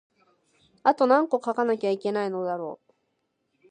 あとなんこ書かなきゃいけないのだろう